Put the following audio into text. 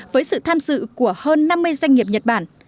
với sự tham dự của hơn năm mươi doanh nghiệp nhật bản